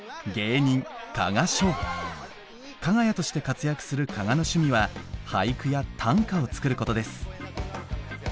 かが屋として活躍する加賀の趣味は俳句や短歌を作ることです。